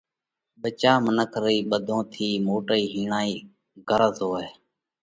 ٻچا، منک رئِي ٻڌون ٿِي موٽئِي هِيڻائِي غرض هوئه۔